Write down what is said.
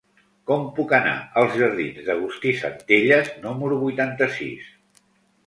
Com puc anar als jardins d'Agustí Centelles número vuitanta-sis?